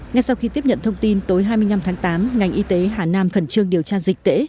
ngay sau khi tiếp nhận thông tin tối hai mươi năm tháng tám ngành y tế hà nam khẩn trương điều tra dịch tễ